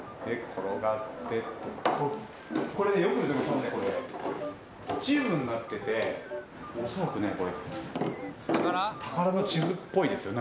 転がってこれねよく見るとこれ地図になってて恐らくねこれ宝の地図っぽいですよ